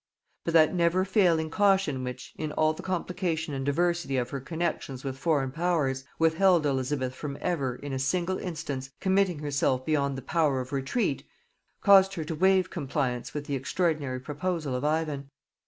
But that never failing caution which, in all the complication and diversity of her connexions with foreign powers, withheld Elizabeth from ever, in a single instance, committing herself beyond the power of retreat, caused her to waive compliance with the extraordinary proposal of Ivan.